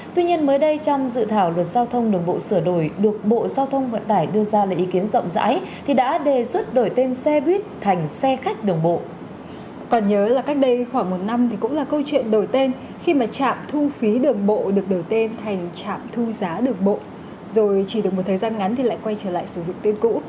vì chỉ được một thời gian ngắn thì lại quay trở lại sử dụng tiên cũ